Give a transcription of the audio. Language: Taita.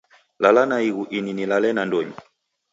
Lala naighu ini nilale nandonyi